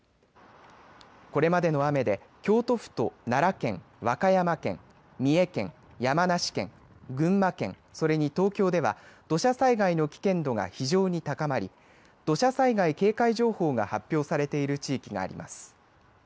これまでの雨で京都府と奈良県、和歌山県、三重県、山梨県、群馬県それに東京では土砂災害の危険度が非常に高まり土砂災害警戒情報が発表されている地域があります。